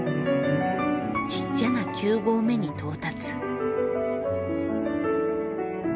ちっちゃな９合目に到達。